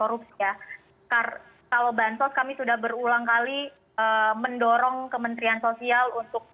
untuk melakukan penanganan covid sembilan belas kalau bansos kami sudah berulang kali mendorong kementerian sosial untuk lukis